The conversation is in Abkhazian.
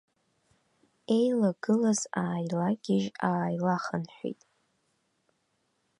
Еилагылаз ааилагьежь-ааилахынҳәит.